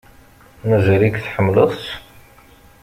Mazal-ik tḥemmleḍ-tt?